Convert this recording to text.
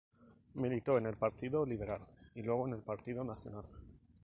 Militó en el Partido Liberal y luego en el Partido Nacional.